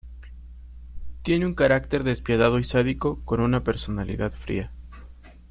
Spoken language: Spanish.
Tiene un carácter despiadado y sádico con una personalidad fría.